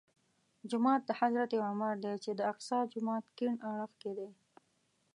جومات د حضرت عمر دی چې د اقصی جومات کیڼ اړخ کې دی.